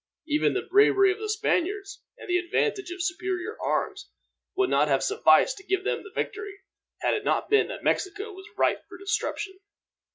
Even the bravery of the Spaniards, and the advantage of superior arms would not have sufficed to give them the victory, had it not been that Mexico was ripe for disruption.